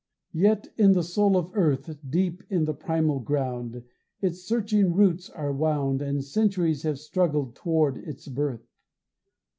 Yet in the soul of earth, Deep in the primal ground, Its searching roots are wound, And centuries have struggled toward its birth.